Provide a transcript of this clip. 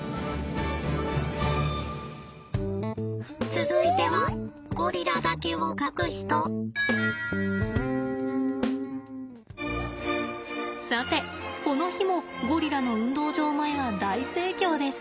続いてはさてこの日もゴリラの運動場前は大盛況です。